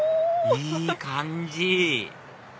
いい感じ！